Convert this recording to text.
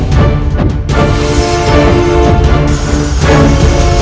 seberat ini terbakar jalan cepat